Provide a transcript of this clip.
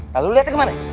nah lo liatnya kemana